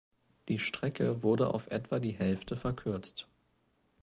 Die Strecke wurde auf etwa die Hälfte verkürzt.